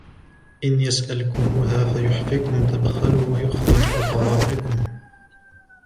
إِنْ يَسْأَلْكُمُوهَا فَيُحْفِكُمْ تَبْخَلُوا وَيُخْرِجْ أَضْغَانَكُمْ